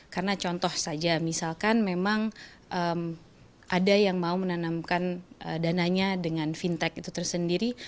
karena contoh saja misalkan memang ada yang mau menanamkan dananya dengan fintech itu sendiri